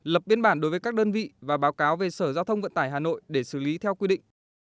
lập biên bản đối với các đơn vị và báo cáo về sở giao thông vận tải hà nội để xử lý theo quy định